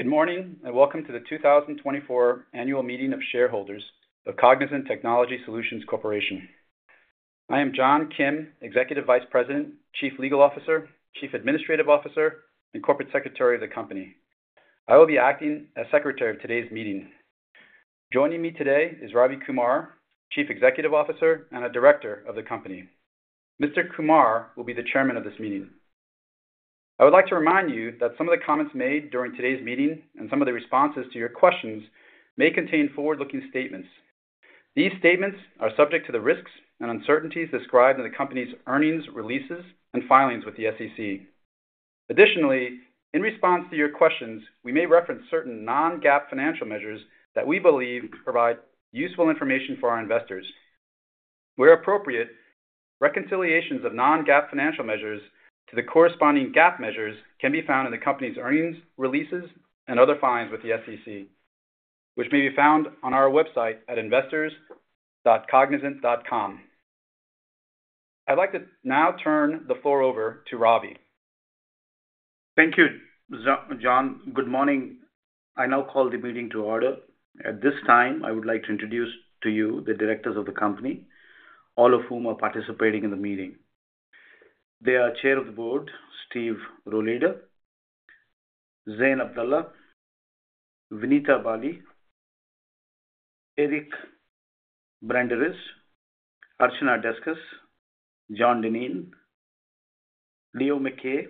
Good morning, and welcome to the 2024 Annual Meeting of Shareholders of Cognizant Technology Solutions Corporation. I am John Kim, Executive Vice President, Chief Legal Officer, Chief Administrative Officer, and Corporate Secretary of the company. I will be acting as secretary of today's meeting. Joining me today is Ravi Kumar, Chief Executive Officer, and a director of the company. Mr. Kumar will be the chairman of this meeting. I would like to remind you that some of the comments made during today's meeting and some of the responses to your questions may contain forward-looking statements. These statements are subject to the risks and uncertainties described in the company's earnings, releases, and filings with the SEC. Additionally, in response to your questions, we may reference certain non-GAAP financial measures that we believe provide useful information for our investors. Where appropriate, reconciliations of non-GAAP financial measures to the corresponding GAAP measures can be found in the company's earnings releases and other filings with the SEC, which may be found on our website at investors.cognizant.com. I'd like to now turn the floor over to Ravi. Thank you, John. Good morning. I now call the meeting to order. At this time, I would like to introduce to you the directors of the company, all of whom are participating in the meeting. They are Chair of the Board, Steve Rohleder, Zein Abdalla, Vinita Bali, Eric Branderiz, Archana Deskus, John Dineen, Leo Mackay,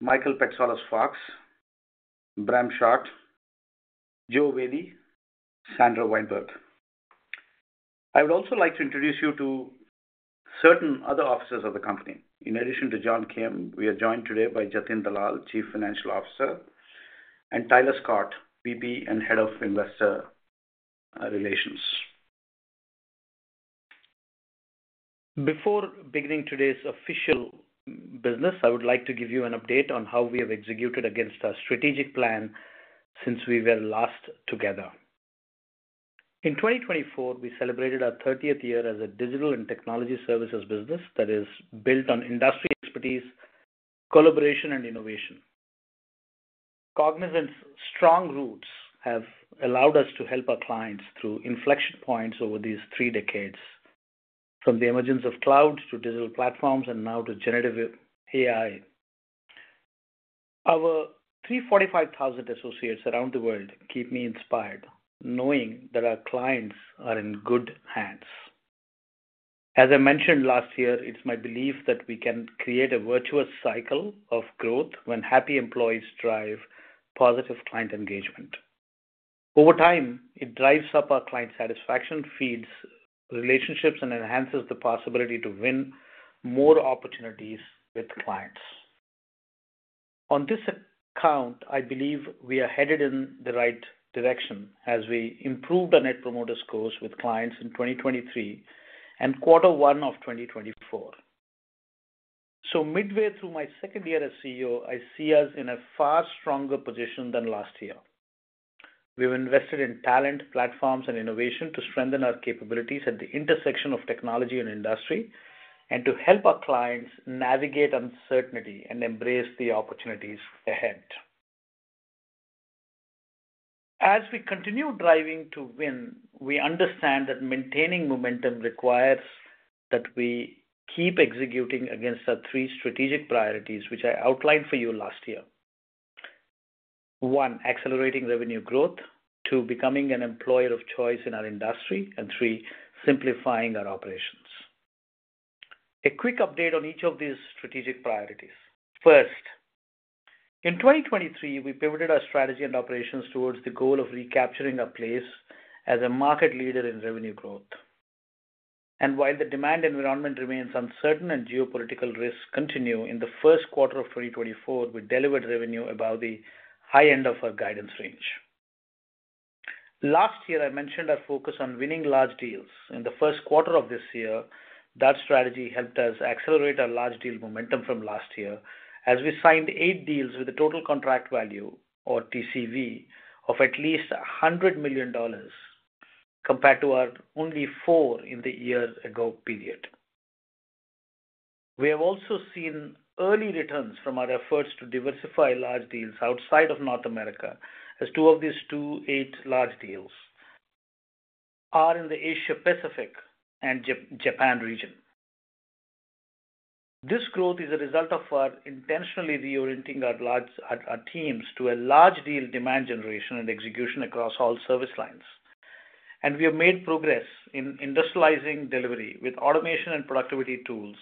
Michael Patsalos-Fox, Bram Schot, Joe Velli, Sandra Wijnberg. I would also like to introduce you to certain other officers of the company. In addition to John Kim, we are joined today by Jatin Dalal, Chief Financial Officer, and Tyler Scott, VP and Head of Investor Relations. Before beginning today's official business, I would like to give you an update on how we have executed against our strategic plan since we were last together. In 2024, we celebrated our 30th year as a digital and technology services business that is built on industry expertise, collaboration, and innovation. Cognizant's strong roots have allowed us to help our clients through inflection points over these three decades, from the emergence of cloud to digital platforms and now to Generative AI. Our 345,000 associates around the world keep me inspired, knowing that our clients are in good hands. As I mentioned last year, it's my belief that we can create a virtuous cycle of growth when happy employees drive positive client engagement. Over time, it drives up our client satisfaction, feeds relationships, and enhances the possibility to win more opportunities with clients. On this account, I believe we are headed in the right direction as we improved our net promoter scores with clients in 2023 and quarter one of 2024. Midway through my second year as CEO, I see us in a far stronger position than last year. We've invested in talent, platforms, and innovation to strengthen our capabilities at the intersection of technology and industry, and to help our clients navigate uncertainty and embrace the opportunities ahead. As we continue driving to win, we understand that maintaining momentum requires that we keep executing against our three strategic priorities, which I outlined for you last year. One, accelerating revenue growth, two, becoming an employer of choice in our industry, and three, simplifying our operations. A quick update on each of these strategic priorities. First, in 2023, we pivoted our strategy and operations towards the goal of recapturing our place as a market leader in revenue growth. And while the demand environment remains uncertain and geopolitical risks continue, in the first quarter of 2024, we delivered revenue above the high end of our guidance range. Last year, I mentioned our focus on winning large deals. In the first quarter of this year, that strategy helped us accelerate our large deal momentum from last year as we signed eight deals with a total contract value or TCV of at least $100 million, compared to our only four in the year-ago period. We have also seen early returns from our efforts to diversify large deals outside of North America, as two of these eight large deals are in the Asia Pacific and Japan region. This growth is a result of our intentionally reorienting our teams to a large deal demand generation and execution across all service lines. We have made progress in industrializing delivery with automation and productivity tools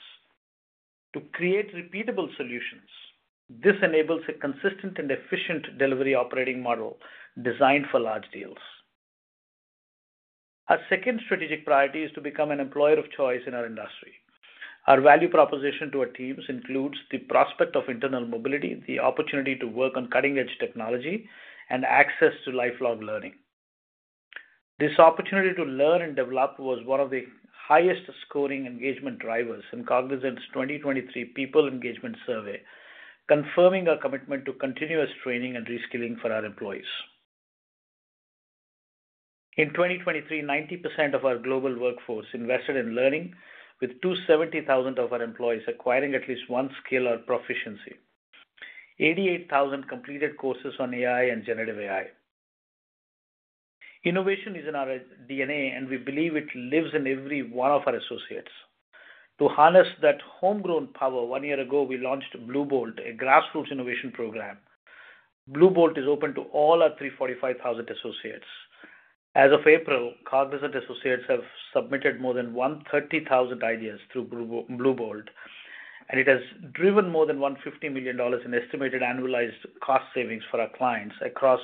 to create repeatable solutions. This enables a consistent and efficient delivery operating model designed for large deals. Our second strategic priority is to become an employer of choice in our industry. Our value proposition to our teams includes the prospect of internal mobility, the opportunity to work on cutting-edge technology, and access to lifelong learning. This opportunity to learn and develop was one of the highest-scoring engagement drivers in Cognizant's 2023 people engagement survey, confirming our commitment to continuous training and reskilling for our employees. In 2023, 90% of our global workforce invested in learning, with 270,000 of our employees acquiring at least one skill or proficiency. 88,000 completed courses on AI and Generative AI. Innovation is in our DNA, and we believe it lives in every one of our associates. To harness that homegrown power, one year ago, we launched Bluebolt, a grassroots innovation program. Bluebolt is open to all our 345,000 associates. As of April, Cognizant associates have submitted more than 130,000 ideas through Bluebolt, and it has driven more than $150 million in estimated annualized cost savings for our clients across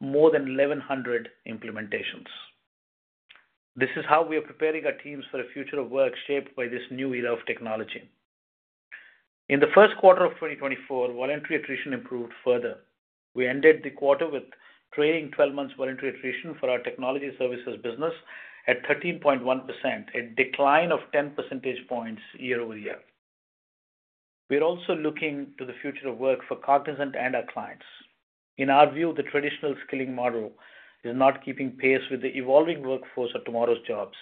more than 1,100 implementations. This is how we are preparing our teams for a future of work shaped by this new era of technology. In the first quarter of 2024, voluntary attrition improved further. We ended the quarter with trailing 12 months voluntary attrition for our technology services business at 13.1%, a decline of 10 percentage points year-over-year. We're also looking to the future of work for Cognizant and our clients. In our view, the traditional skilling model is not keeping pace with the evolving workforce of tomorrow's jobs.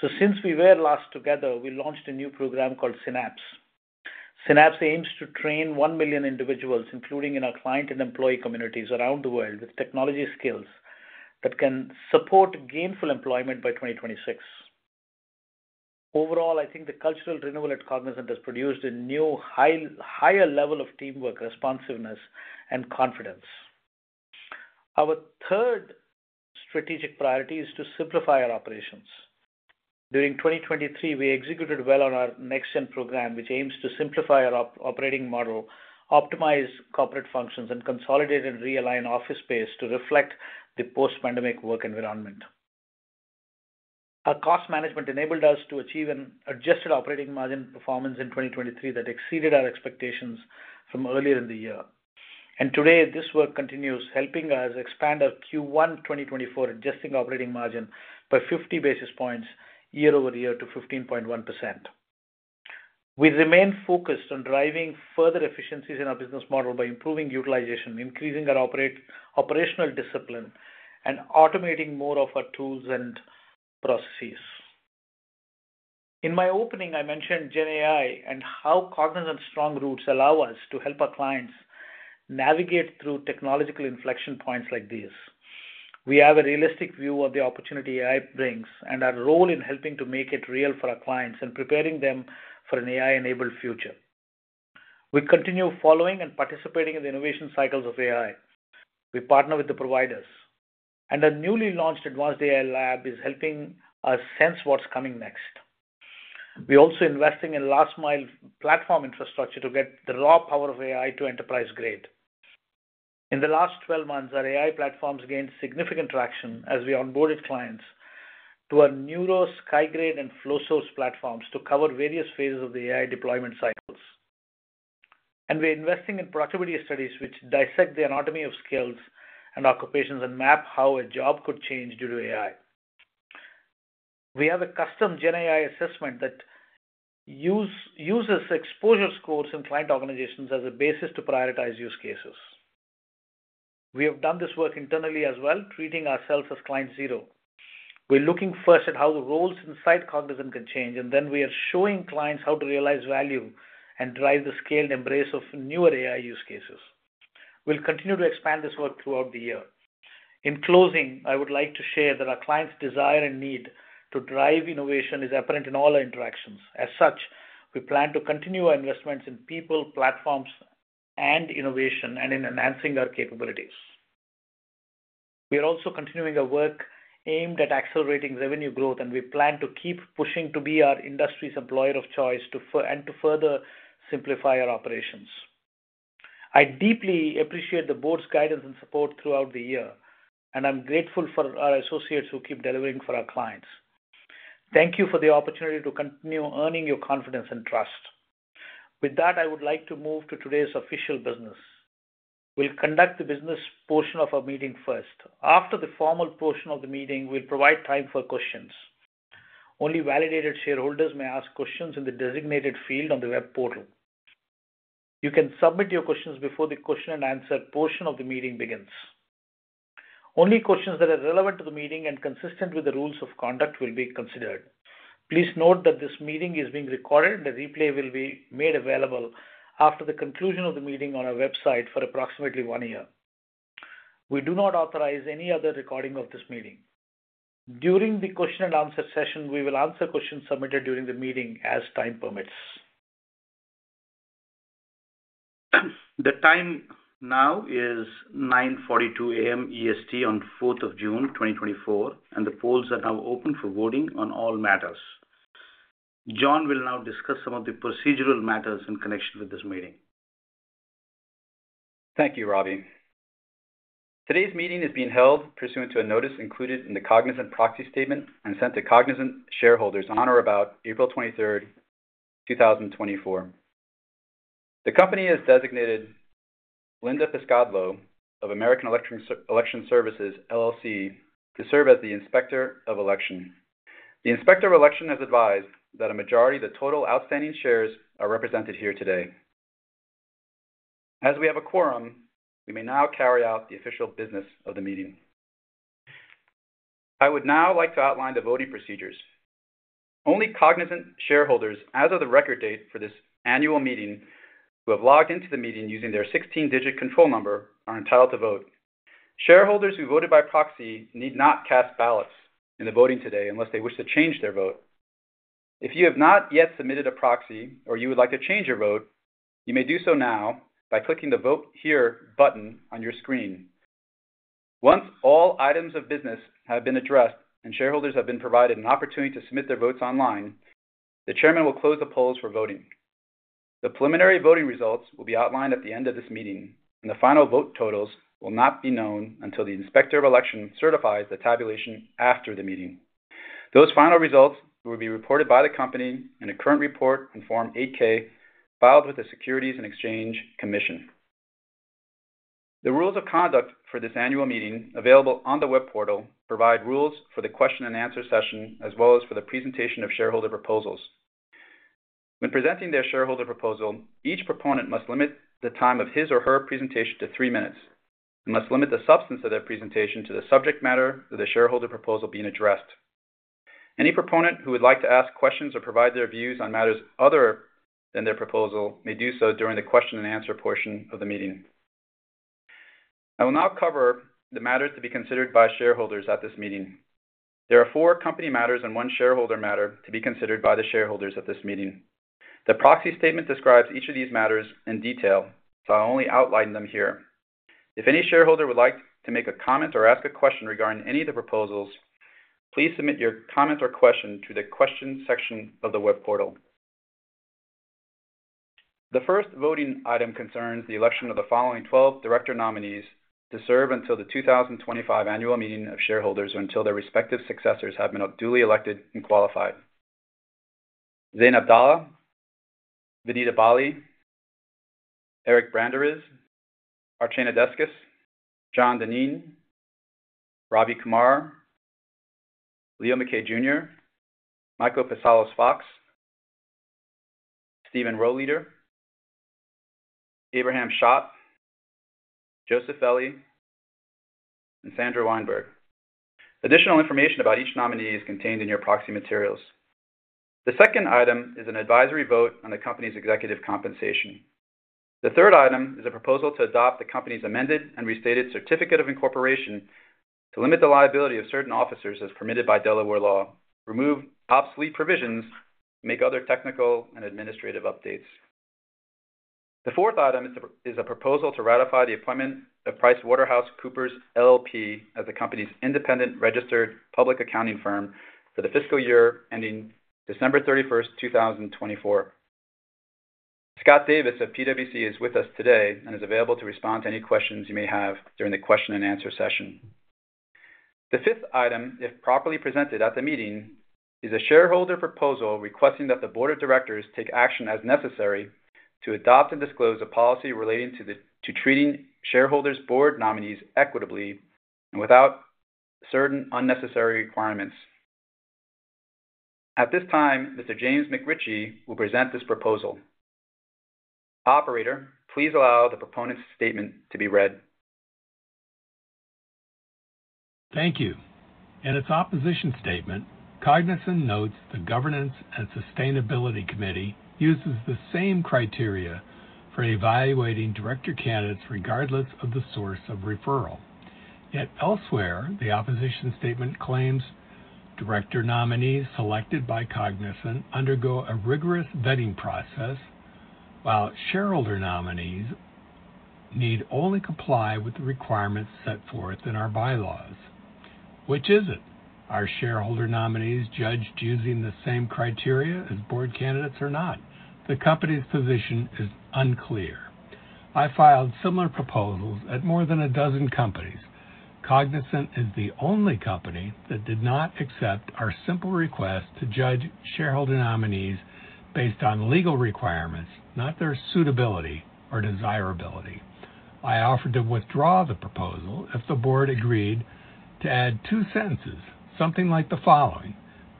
So since we were last together, we launched a new program called Synapse. Synapse aims to train one million individuals, including in our client and employee communities around the world, with technology skills that can support gainful employment by 2026. Overall, I think the cultural renewal at Cognizant has produced a new, higher level of teamwork, responsiveness, and confidence. Our third strategic priority is to simplify our operations. During 2023, we executed well on our NextGen program, which aims to simplify our operating model, optimize corporate functions, and consolidate and realign office space to reflect the post-pandemic work environment. Our cost management enabled us to achieve an adjusted operating margin performance in 2023 that exceeded our expectations from earlier in the year. And today, this work continues, helping us expand our Q1 2024 adjusted operating margin by 50 basis points year-over-year to 15.1%. We remain focused on driving further efficiencies in our business model by improving utilization, increasing our operational discipline, and automating more of our tools and processes. In my opening, I mentioned GenAI and how Cognizant's strong roots allow us to help our clients navigate through technological inflection points like these. We have a realistic view of the opportunity AI brings and our role in helping to make it real for our clients and preparing them for an AI-enabled future. We continue following and participating in the innovation cycles of AI. We partner with the providers, and a newly launched advanced AI lab is helping us sense what's coming next. We're also investing in last mile platform infrastructure to get the raw power of AI to enterprise grade. In the last 12 months, our AI platforms gained significant traction as we onboarded clients to our Neuro, Skygrade, and Flowsource platforms to cover various phases of the AI deployment cycles. We're investing in productivity studies, which dissect the anatomy of skills and occupations and map how a job could change due to AI. We have a custom GenAI assessment that uses exposure scores in client organizations as a basis to prioritize use cases. We have done this work internally as well, treating ourselves as client zero. We're looking first at how the roles inside Cognizant can change, and then we are showing clients how to realize value and drive the scaled embrace of newer AI use cases. We'll continue to expand this work throughout the year. In closing, I would like to share that our clients' desire and need to drive innovation is apparent in all our interactions. As such, we plan to continue our investments in people, platforms, and innovation, and in enhancing our capabilities. We are also continuing our work aimed at accelerating revenue growth, and we plan to keep pushing to be our industry's employer of choice and to further simplify our operations. I deeply appreciate the board's guidance and support throughout the year, and I'm grateful for our associates who keep delivering for our clients. Thank you for the opportunity to continue earning your confidence and trust. With that, I would like to move to today's official business. We'll conduct the business portion of our meeting first. After the formal portion of the meeting, we'll provide time for questions. Only validated shareholders may ask questions in the designated field on the web portal. You can submit your questions before the question and answer portion of the meeting begins. Only questions that are relevant to the meeting and consistent with the rules of conduct will be considered. Please note that this meeting is being recorded, and a replay will be made available after the conclusion of the meeting on our website for approximately one year. We do not authorize any other recording of this meeting. During the question and answer session, we will answer questions submitted during the meeting as time permits. The time now is 9:42 A.M. EST on 4th of June, 2024, and the polls are now open for voting on all matters. John will now discuss some of the procedural matters in connection with this meeting. Thank you, Ravi. Today's meeting is being held pursuant to a notice included in the Cognizant Proxy Statement and sent to Cognizant shareholders on or about April 23rd, 2024. The company has designated Linda Piscadlo of American Election Services LLC to serve as the Inspector of Election. The Inspector of Election has advised that a majority of the total outstanding shares are represented here today. As we have a quorum, we may now carry out the official business of the meeting. I would now like to outline the voting procedures. Only Cognizant shareholders, as of the record date for this annual meeting, who have logged into the meeting using their 16-digit control number, are entitled to vote. Shareholders who voted by proxy need not cast ballots in the voting today unless they wish to change their vote. If you have not yet submitted a proxy or you would like to change your vote, you may do so now by clicking the Vote Here button on your screen. Once all items of business have been addressed and shareholders have been provided an opportunity to submit their votes online, the chairman will close the polls for voting. The preliminary voting results will be outlined at the end of this meeting, and the final vote totals will not be known until the Inspector of Election certifies the tabulation after the meeting. Those final results will be reported by the company in a current report in Form 8-K, filed with the Securities and Exchange Commission. The rules of conduct for this annual meeting, available on the web portal, provide rules for the question and answer session, as well as for the presentation of shareholder proposals. When presenting their shareholder proposal, each proponent must limit the time of his or her presentation to three minutes and must limit the substance of their presentation to the subject matter of the shareholder proposal being addressed. Any proponent who would like to ask questions or provide their views on matters other than their proposal may do so during the question and answer portion of the meeting. I will now cover the matters to be considered by shareholders at this meeting. There are four company matters and one shareholder matter to be considered by the shareholders at this meeting. The Proxy Statement describes each of these matters in detail, so I'll only outline them here. If any shareholder would like to make a comment or ask a question regarding any of the proposals, please submit your comment or question through the questions section of the web portal. The first voting item concerns the election of the following 12 director nominees to serve until the 2025 Annual Meeting of Shareholders, or until their respective successors have been duly elected and qualified. Zein Abdalla, Vinita Bali, Eric Branderiz, Archana Deskus, John Dineen, Ravi Kumar, Leo Mackay Jr., Michael Patsalos-Fox, Stephen Rohleder, Abraham Schot, Joseph Velli, and Sandra Wijnberg. Additional information about each nominee is contained in your proxy materials. The second item is an advisory vote on the company's executive compensation. The third item is a proposal to adopt the company's amended and restated certificate of incorporation to limit the liability of certain officers as permitted by Delaware law, remove obsolete provisions, make other technical and administrative updates. The fourth item is a proposal to ratify the appointment of PricewaterhouseCoopers LLP as the company's independent registered public accounting firm for the fiscal year ending December 31st, 2024. Scott Davis of PwC is with us today and is available to respond to any questions you may have during the question and answer session. The fifth item, if properly presented at the meeting, is a shareholder proposal requesting that the Board of Directors take action as necessary to adopt and disclose a policy relating to treating shareholders board nominees equitably and without certain unnecessary requirements. At this time, Mr. James McRitchie will present this proposal. Operator, please allow the proponent's statement to be read. Thank you. In its opposition statement, Cognizant notes the Governance and Sustainability Committee uses the same criteria for evaluating director candidates, regardless of the source of referral. Yet elsewhere, the opposition statement claims director nominees selected by Cognizant undergo a rigorous vetting process, while shareholder nominees need only comply with the requirements set forth in our bylaws. Which is it? Are shareholder nominees judged using the same criteria as board candidates or not? The company's position is unclear. I filed similar proposals at more than a dozen companies. Cognizant is the only company that did not accept our simple request to judge shareholder nominees based on legal requirements, not their suitability or desirability. I offered to withdraw the proposal if the board agreed to add two sentences, something like the following,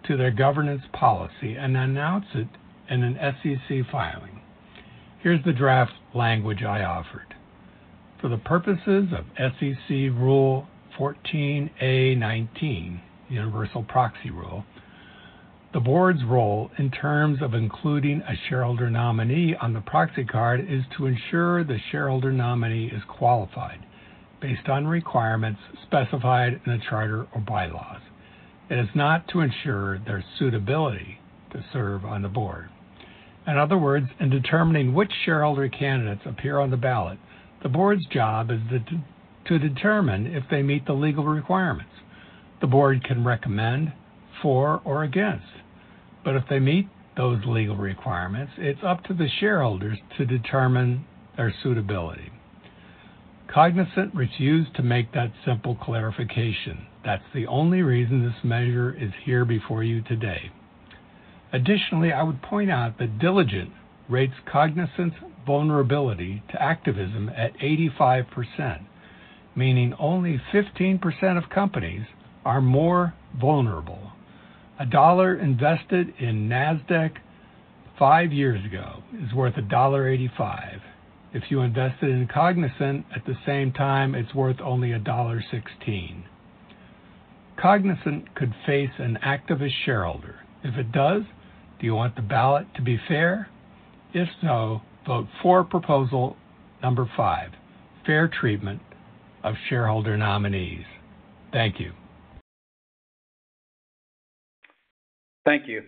to their governance policy and announce it in an SEC filing. Here's the draft language I offered: "For the purposes of SEC Rule 14a-19, Universal Proxy Rule, the board's role in terms of including a shareholder nominee on the proxy card is to ensure the shareholder nominee is qualified based on requirements specified in the charter or bylaws. It is not to ensure their suitability to serve on the board." In other words, in determining which shareholder candidates appear on the ballot, the board's job is to determine if they meet the legal requirements. The board can recommend for or against, but if they meet those legal requirements, it's up to the shareholders to determine their suitability. Cognizant refused to make that simple clarification. That's the only reason this measure is here before you today. Additionally, I would point out that Diligent rates Cognizant's vulnerability to activism at 85%, meaning only 15% of companies are more vulnerable.... A dollar invested in Nasdaq five years ago is worth $1.85. If you invested in Cognizant at the same time, it's worth only $1.16. Cognizant could face an activist shareholder. If it does, do you want the ballot to be fair? If so, vote for proposal number five, Fair Treatment of Shareholder Nominees. Thank you. Thank you.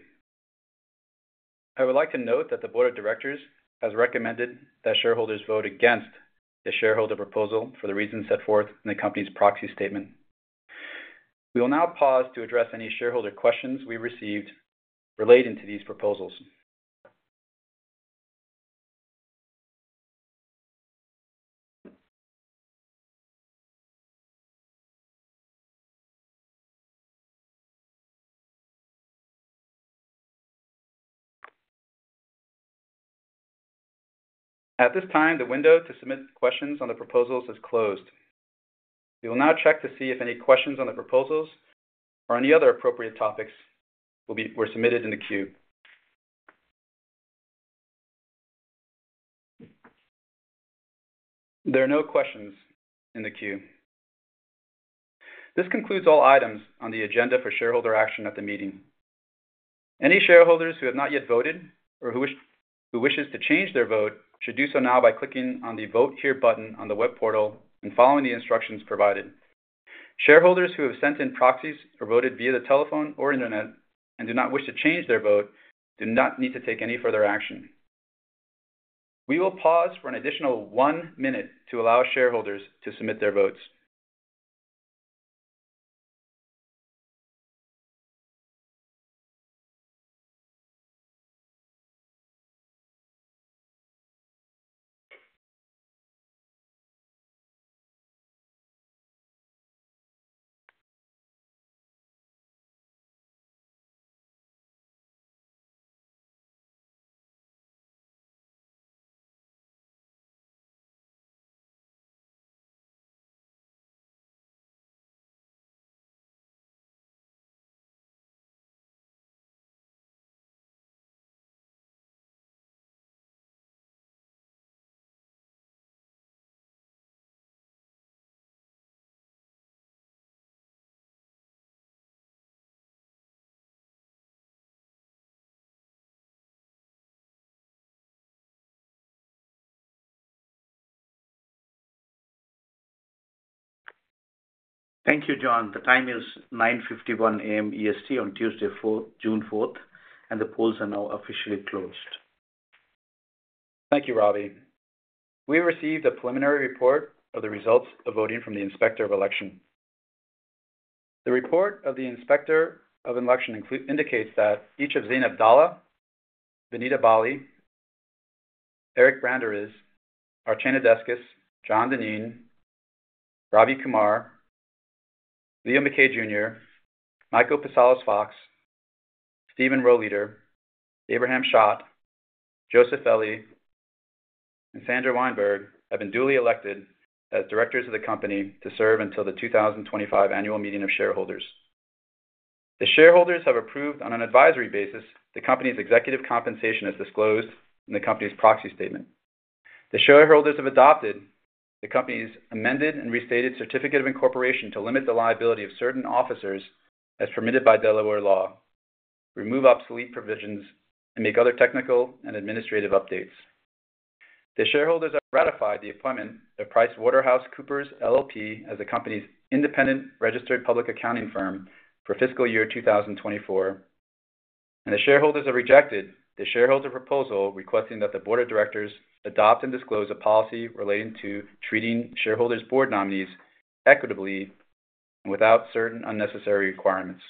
I would like to note that the Board of Directors has recommended that shareholders vote against the shareholder proposal for the reasons set forth in the company's Proxy Statement. We will now pause to address any shareholder questions we received relating to these proposals. At this time, the window to submit questions on the proposals is closed. We will now check to see if any questions on the proposals or any other appropriate topics were submitted in the queue. There are no questions in the queue. This concludes all items on the agenda for shareholder action at the meeting. Any shareholders who have not yet voted or who wish to change their vote should do so now by clicking on the Vote Here button on the web portal and following the instructions provided. Shareholders who have sent in proxies or voted via the telephone or internet and do not wish to change their vote, do not need to take any further action. We will pause for an additional 1 minute to allow shareholders to submit their votes. Thank you, John. The time is 9:51 A.M. EST on Tuesday, June 4th, and the polls are now officially closed. Thank you, Ravi. We have received a preliminary report of the results of voting from the Inspector of Election. The report of the Inspector of Election indicates that each of Zein Abdalla, Vinita Bali, Eric Branderiz, Archana Deskus, John Dineen, Ravi Kumar, Leo Mackay Jr., Michael Patsalos-Fox, Stephen Rohleder, Abraham Schot, Joseph Velli, and Sandra Wijnberg have been duly elected as directors of the company to serve until the 2025 Annual Meeting of Shareholders. The shareholders have approved, on an advisory basis, the company's executive compensation as disclosed in the company's Proxy Statement. The shareholders have adopted the company's amended and restated certificate of incorporation to limit the liability of certain officers as permitted by Delaware law, remove obsolete provisions, and make other technical and administrative updates. The shareholders have ratified the appointment of PricewaterhouseCoopers LLP as the company's independent registered public accounting firm for fiscal year 2024, and the shareholders have rejected the shareholder proposal requesting that the Board of Directors adopt and disclose a policy relating to treating shareholders' board nominees equitably without certain unnecessary requirements.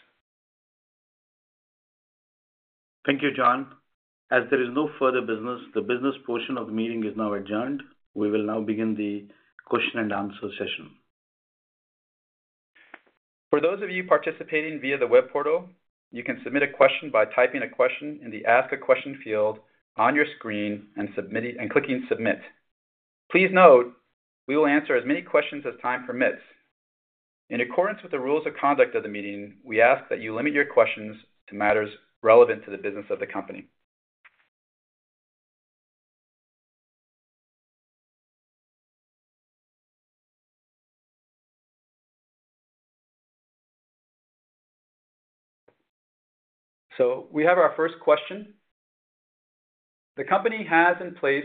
Thank you, John. As there is no further business, the business portion of the meeting is now adjourned. We will now begin the question and answer session. For those of you participating via the web portal, you can submit a question by typing a question in the Ask a Question field on your screen and submitting... and clicking Submit. Please note, we will answer as many questions as time permits. In accordance with the rules of conduct of the meeting, we ask that you limit your questions to matters relevant to the business of the company. So we have our first question: The company has in place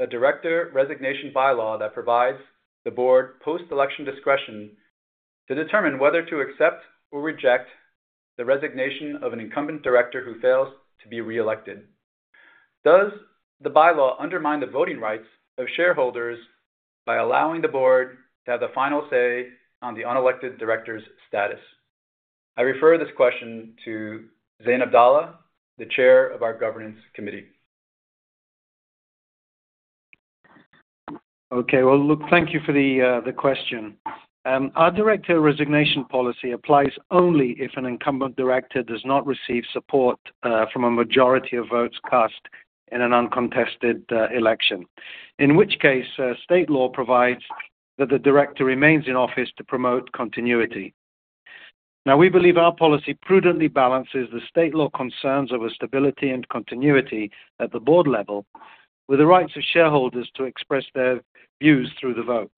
a director resignation bylaw that provides the board post-election discretion to determine whether to accept or reject the resignation of an incumbent director who fails to be reelected. Does the bylaw undermine the voting rights of shareholders by allowing the board to have the final say on the unelected director's status? I refer this question to Zein Abdalla, the Chair of our Governance Committee. Okay. Well, look, thank you for the question. Our director resignation policy applies only if an incumbent director does not receive support from a majority of votes cast in an uncontested election. In which case, state law provides that the director remains in office to promote continuity. Now, we believe our policy prudently balances the state law concerns over stability and continuity at the board level, with the rights of shareholders to express their views through the vote.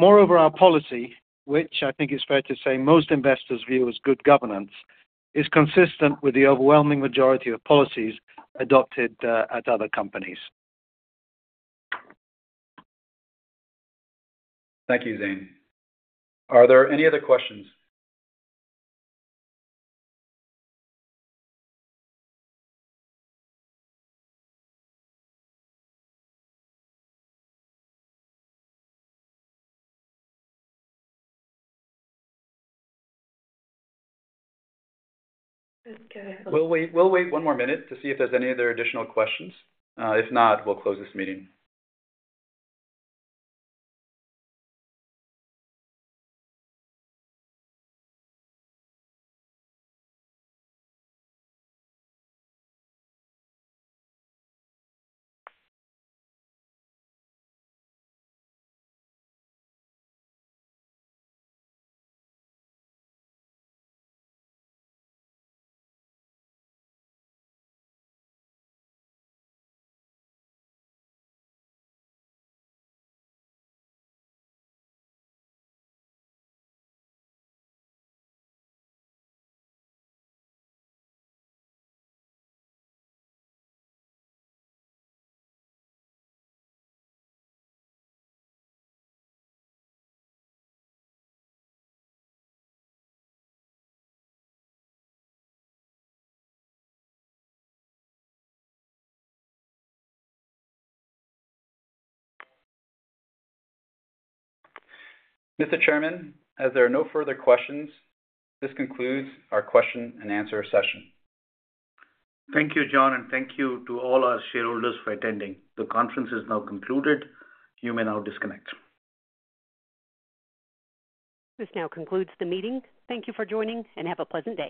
Moreover, our policy, which I think is fair to say, most investors view as good governance, is consistent with the overwhelming majority of policies adopted at other companies. Thank you, Zein. Are there any other questions? We'll wait, we'll wait one more minute to see if there's any other additional questions. If not, we'll close this meeting. Mr. Chairman, as there are no further questions, this concludes our question-and-answer session. Thank you, John, and thank you to all our shareholders for attending. The conference is now concluded. You may now disconnect. This now concludes the meeting. Thank you for joining, and have a pleasant day.